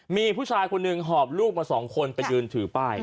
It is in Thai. มีผู้ชายคนหนึ่งหอบลูกมาสองคนไปยืนถือป้าย